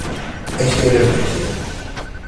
Akal aberkan.